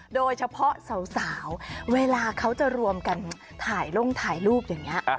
โดยเฉพาะสาวเวลาเขาจะรวมกันถ่ายลงถ่ายรูปอย่างนี้